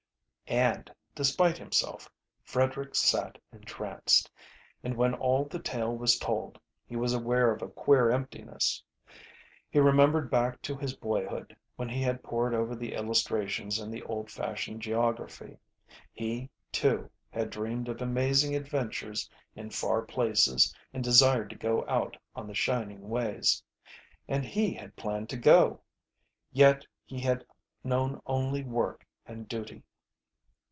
And despite himself, Frederick sat entranced; and when all the tale was told, he was aware of a queer emptiness. He remembered back to his boyhood, when he had pored over the illustrations in the old fashioned geography. He, too, had dreamed of amazing adventure in far places and desired to go out on the shining ways. And he had planned to go; yet he had known only work and duty.